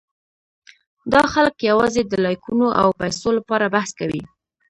دا خلک یواځې د لایکونو او پېسو لپاره بحث کوي.